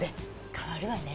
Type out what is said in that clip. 変わるわね。